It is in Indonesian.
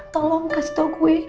tolong kasih tau gue